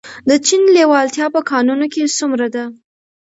د چین لیوالتیا په کانونو کې څومره ده؟